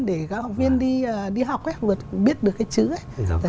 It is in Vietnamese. để các học viên đi học hết cuộc cũng biết được cái chữ ấy